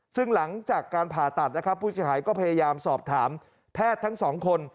ซึ่งหลังจากการผ่าตัดนะครับผู้เสียหายก็พยายามสอบถามแพทย์ทั้งสองคน